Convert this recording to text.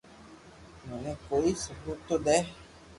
منو ڪوئي سبوت تو دي